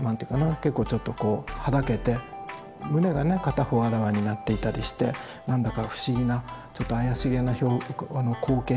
結構ちょっとこうはだけて胸がね片方あらわになっていたりして何だか不思議なちょっと怪しげな光景ですけれども。